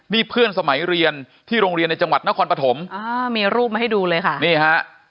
นี่เพื่อนสมัยเรียนที่โรงเรียนในจังหวัดนครปฐมอ่ามีรูปมาให้ดูเลยค่ะนี่ฮะ